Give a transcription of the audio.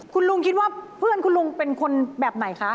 คุณลุงคิดว่าเพื่อนคุณลุงเป็นคนแบบไหนคะ